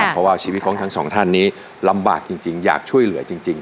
เพราะว่าชีวิตของทั้งสองท่านนี้ลำบากจริงอยากช่วยเหลือจริง